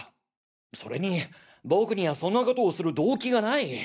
それに僕にはそんなことをする動機がない！